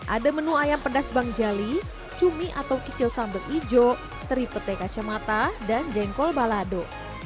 ada menu ayam pedas bang jali cumi atau kikil sambal hijau teri pete kacamata dan jengkol balado